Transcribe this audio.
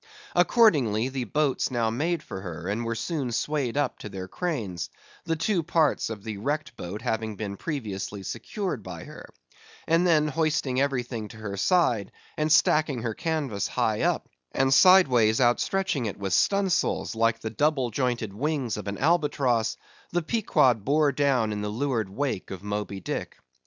Accordingly, the boats now made for her, and were soon swayed up to their cranes—the two parts of the wrecked boat having been previously secured by her—and then hoisting everything to her side, and stacking her canvas high up, and sideways outstretching it with stun sails, like the double jointed wings of an albatross; the Pequod bore down in the leeward wake of Moby Dick.